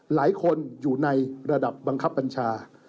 หลายคนอยู่ในระดับบังคับบัญชา